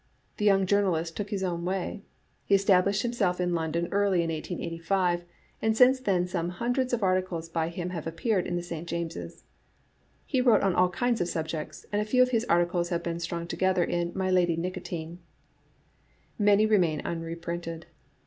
The young journalist took his own way. He established himself in London early in 1885, and since then some hundreds of articles by him have appeared in the 5/. James's. He wrote on all kinds of subjects, and a few of his ar ticles have been strung together in "My Lady Nico tine "; many remain unreprinted.